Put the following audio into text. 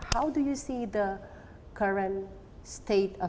bagaimana anda melihat